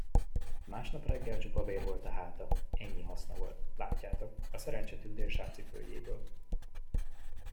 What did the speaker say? Másnap reggel csupa vér volt a háta; ennyi haszna volt, látjátok, a Szerencsetündér sárcipőjéből.